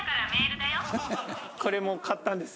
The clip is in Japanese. これも買ったんです。